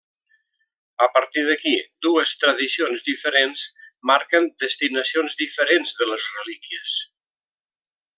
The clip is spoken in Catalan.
A partir d'aquí, dues tradicions diferents marquen destinacions diferents de les relíquies.